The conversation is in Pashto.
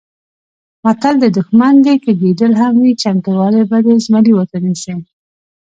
متل دی: دوښمن دې که ګیدړ هم وي چمتوالی به د زمري ورته نیسې.